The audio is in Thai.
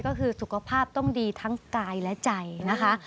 ก็คือสุขภาพต้องดีทั้งกายและใจนะคะ